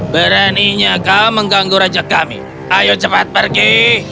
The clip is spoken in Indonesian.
beraninya kau mengganggu raja kami ayo cepat pergi